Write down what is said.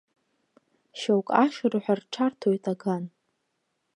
Шьоук ашырҳәа рҽарҭоит аган.